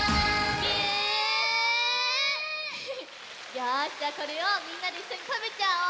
よしじゃあこれをみんなでいっしょにたべちゃおう！